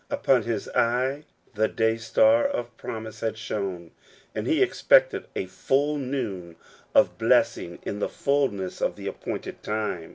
Upon his eye the day star of promise had shone, and he expected a full noon of blessing in the fullness of the appointed time.